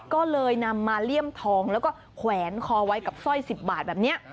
ก็เลยนำมาเลี่ยมทองแล้วก็แขวนคอไว้กับสร้อย๑๐บาทแบบนี้